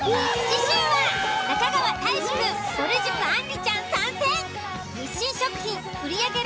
次週は中川大志くんぼる塾あんりちゃん参戦。